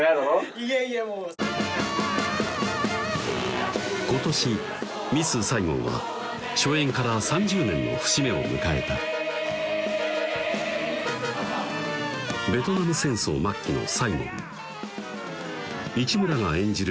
いやいやもう今年「ミス・サイゴン」は初演から３０年の節目を迎えたベトナム戦争末期のサイゴン市村が演じる